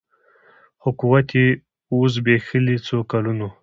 خو قوت یې وو زبېښلی څو کلونو